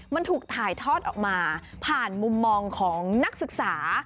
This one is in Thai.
มันถูกถ่ายทอดออกมาผ่านมุมมองของนักศึกษา